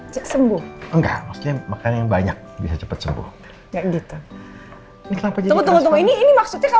cek sembuh enggak maksudnya makanan banyak bisa cepet sembuh nggak gitu ini langsung ini maksudnya